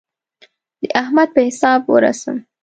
د احمد په حساب ورسم.